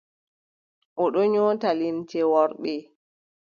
O ɗon nyoota limce worɓe.